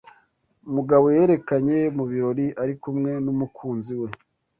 Mugabo yerekanye mu birori ari kumwe n'umukunzi we.